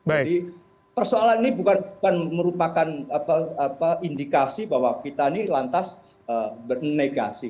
jadi persoalan ini bukan merupakan indikasi bahwa kita ini lantas bernegasi